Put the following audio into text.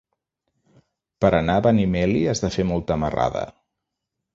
Per anar a Benimeli has de fer molta marrada.